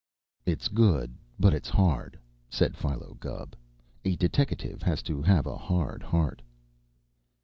"It's good, but it's hard," said Philo Gubb. "A deteckative has to have a hard heart."